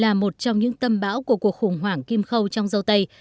là một trong những tâm bão của cuộc khủng hoảng kim khâu trong dâu tây